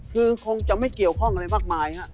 คือคงจะไม่เกี่ยวข้องอะไรมากมายฮะ